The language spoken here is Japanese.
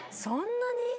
そんなに？